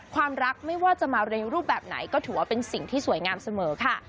ความรักไม่ว่าจะมาเร็วรูปแบบไหนก็ถือว่าเป็นสิ่งที่สวยงามเสมอค่ะ